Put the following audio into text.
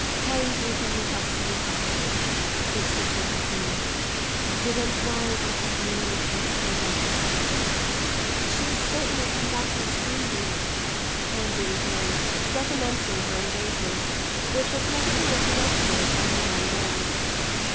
"Kindly permit us to retire," said sister Catherine. "Be good and wise and happy in any case, my daughter." "I shall certainly come back and see you," Pansy returned, recommencing her embraces, which were presently interrupted by Madame Merle.